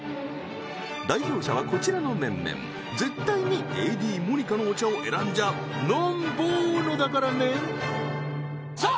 代表者はこちらの面々絶対にＡＤＭＯＮＩＣＡのお茶を選んじゃノンボーノだからねさあ